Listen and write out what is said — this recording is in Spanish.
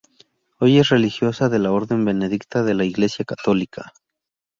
Hoy es religiosa de la orden benedictina de la Iglesia católica.